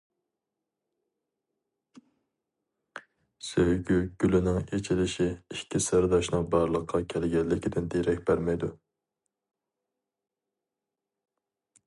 سۆيگۈ گۈلىنىڭ ئېچىلىشى ئىككى سىرداشنىڭ بارلىققا كەلگەنلىكىدىن دېرەك بەرمەيدۇ.